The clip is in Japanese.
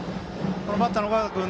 バッターの尾形君